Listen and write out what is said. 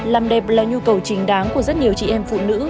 làm đẹp là nhu cầu trình đáng của rất nhiều chị em